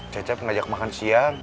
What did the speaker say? cecep ngajak makan siang